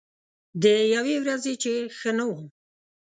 د یوې ورځې چې ښه نه وم